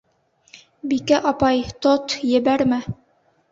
Бикә апай, тот, ебәрмә!